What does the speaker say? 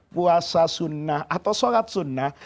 puasa sunnah atau sholat sunnah